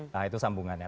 nah itu sambungannya